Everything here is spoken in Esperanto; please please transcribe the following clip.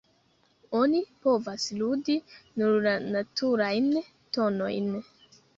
Oni povas ludi nur la naturajn tonojn.